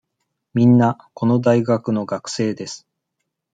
みんな、この大学の学生です。